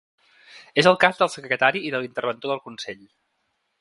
És el cas del secretari i de l’interventor del consell.